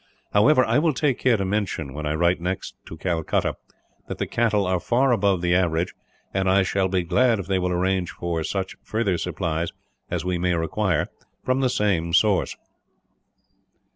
However, I will take care to mention, when I write next to Calcutta, that the cattle are far above the average; and I shall be glad if they will arrange for such further supplies as we may require from the same source."